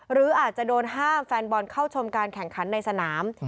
หรืออาจจะโดนห้ามแฟนบอลเข้าชมการแข่งขันในสนาม